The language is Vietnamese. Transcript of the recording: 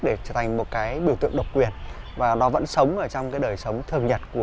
để trở thành một cái biểu tượng độc quyền và nó vẫn sống ở trong cái đời sống thường nhật của